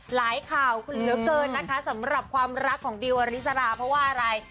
ข่าวเหลือเกินนะคะสำหรับความรักของดิวอริสราเพราะว่าอะไร